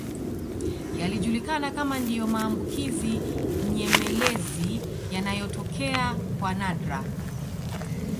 Yalijulikana kama ndio maambukizi nyemelezi yanayotokea kwa nadra